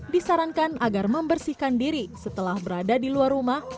disarankan agar membersihkan diri setelah berada di luar rumah